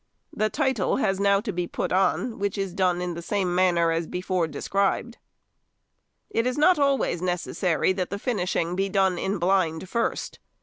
The title has now to be put on, which is done in the same manner as before described. It is not always necessary that the finishing be done in blind first.